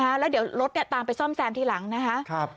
ค่ะแล้วเดี๋ยวรถเนี้ยตามไปส้อมแซมทีหลังนะคะ